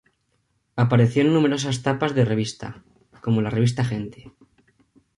Apareció en numerosas tapas de revistas, como la revista "Gente".